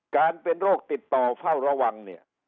การเป็นโรคติดต่อเฝ้าระวังเนี่ย